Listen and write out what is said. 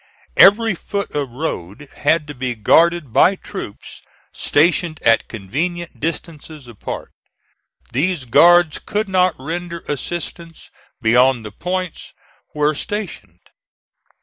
Every foot of road had to be guarded by troops stationed at convenient distances apart. These guards could not render assistance beyond the points where stationed.